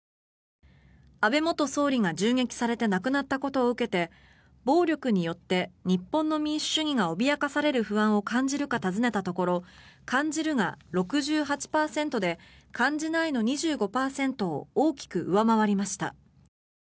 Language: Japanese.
安倍元総理が銃撃されて亡くなったことを受けて暴力によって日本の民主主義が脅かされる不安を感じるか尋ねたところ感じるが６８％で感じないの２５％を大きく上回りました。